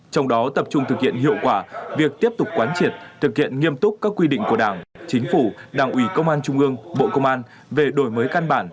trong đó tập trung thực hiện hiệu quả việc tiếp tục quán triệt thực hiện nghiêm túc các quy định của đảng chính phủ đảng ủy công an trung ương bộ công an về đổi mới căn bản